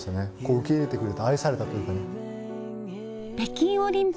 受け入れてくれた愛されたというかね。